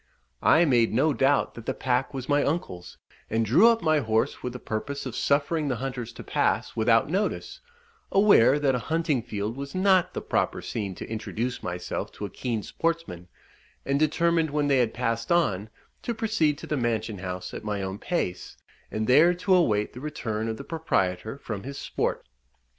I made no doubt that the pack was my uncle's, and drew up my horse with the purpose of suffering the hunters to pass without notice, aware that a hunting field was not the proper scene to introduce myself to a keen sportsman, and determined when they had passed on, to proceed to the mansion house at my own pace, and there to await the return of the proprietor from his sport.